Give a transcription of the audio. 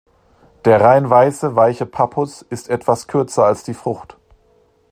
Der rein weiße, weiche Pappus ist etwas kürzer als die Frucht.